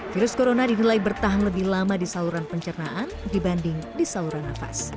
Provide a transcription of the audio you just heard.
virus corona dinilai bertahan lebih lama di saluran pencernaan dibanding di saluran nafas